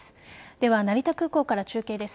では、成田空港から中継です。